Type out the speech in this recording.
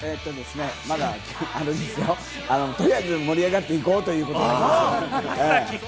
まだあれですよ、取りあえず盛り上がっていこうということです。